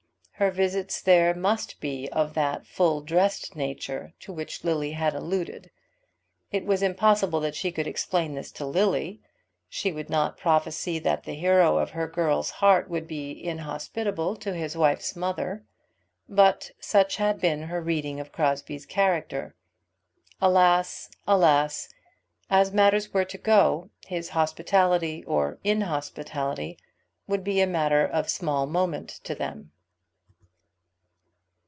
Her visits there must be of that full dressed nature to which Lily had alluded. It was impossible that she could explain this to Lily. She would not prophesy that the hero of her girl's heart would be inhospitable to his wife's mother; but such had been her reading of Crosbie's character. Alas, alas, as matters were to go, his hospitality or inhospitality would be matter of small moment to them.